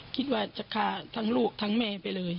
คิดว่าจะฆ่าทั้งลูกทั้งแม่ไปเลย